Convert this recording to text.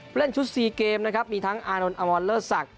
เพื่อเล่นชุดซีเกมนะครับมีทั้งอานนท์อัมวาลเลอร์สัก